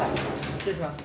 失礼します。